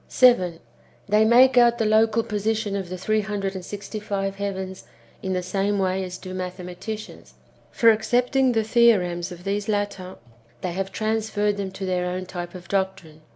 7. They make out the local positions of the three hundred and sixty five heavens in the same way as do mathema ticians. For, accepting the theorems of these latter, they have transferred them to their own type of doctrine.